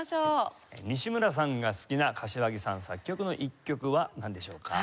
西村さんが好きな柏木さん作曲の一曲はなんでしょうか？